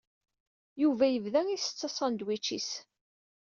Yuba yebda isett asandwič-is.